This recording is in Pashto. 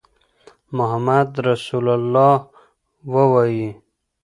محمد رسول الله ووایئ.